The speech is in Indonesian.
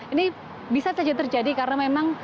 ini bisa saja terjadi karena memang